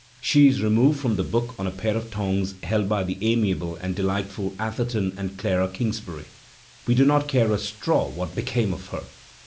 t She is removed from the book on a pair of tongs held by ! the amiable and deUghtful Atherton and Clara Eingsbury. And we do not care a straw what became of her.